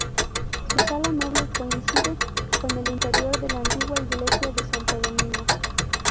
Su Sala Noble coincide con el interior de la antigua Iglesia de Santo Domingo.